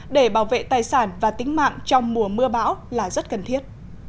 để bảo vệ tài sản và tính mạng trong mùa mưa bão là rất cần thiết